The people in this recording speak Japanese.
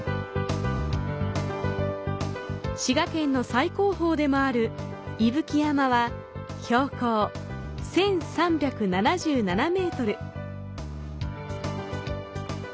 滋賀県の最高峰でもある伊吹山は、標高１３７７ｍ。